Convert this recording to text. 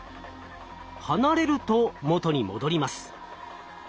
離れると元に戻ります。